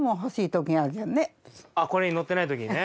△これに載ってないときね。